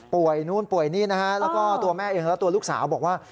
นู่นป่วยนี่นะฮะแล้วก็ตัวแม่เองและตัวลูกสาวบอกว่า